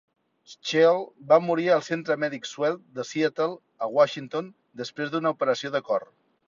Schell va morir al centre mèdic suec de Seattle, a Washington, després d'una operació de cor.